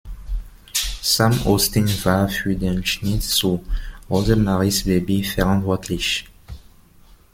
Sam O’Steen war für den Schnitt zu "Rosemaries Baby" verantwortlich.